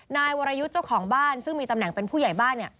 นายวรยุทธ์เจ้าของบ้านซึ่งมีตำแหน่งเป็นผู้ใหญ่บ้าน